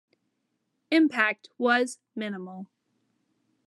Impact was minimal.